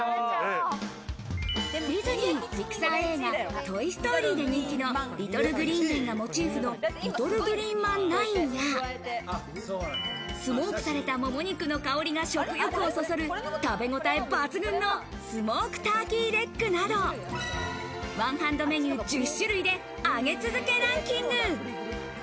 ディズニーピクサー映画『トイ・ストーリー』で人気のリトル・グリーン・メンがモチーフのリトルグリーンまん９や、スモークされた、もも肉の香りが食欲をそそる食べごたえ抜群のスモークターキーレッグなど、ワンハンドメニュー１０種類で上げ続けランキング！